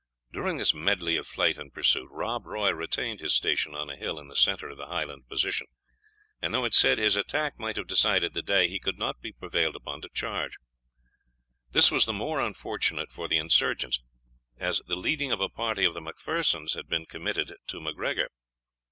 During this medley of flight and pursuit, Rob Roy retained his station on a hill in the centre of the Highland position; and though it is said his attack might have decided the day, he could not be prevailed upon to charge. This was the more unfortunate for the insurgents, as the leading of a party of the Macphersons had been committed to MacGregor.